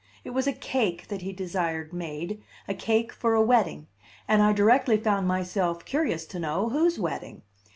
It was a cake that he desired made, a cake for a wedding; and I directly found myself curious to know whose wedding.